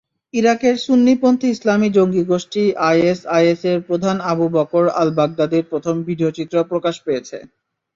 ইরাকের সুন্নিপন্থী ইসলামি জঙ্গিগোষ্ঠী আইএসআইএসের প্রধান আবু বকর আল-বাগদাদির প্রথম ভিডিওচিত্র প্রকাশ পেয়েছে।